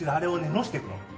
のしていく。